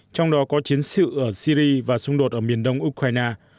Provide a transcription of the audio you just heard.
trong đó có chiến sự ở syri và xung đột ở miền đông ukraine